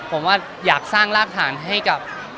ผมว่าอยากสร้างรากฐานให้กับ